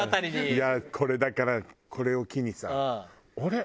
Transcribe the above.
いやこれだからこれを機にさあれ？